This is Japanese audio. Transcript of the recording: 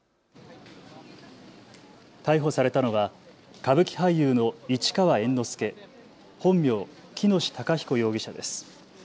逮捕されたのは歌舞伎俳優の市川猿之助、本名、喜熨斗孝彦容疑者です。